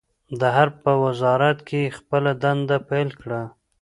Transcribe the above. د حرب په وزارت کې يې خپله دنده پیل کړه.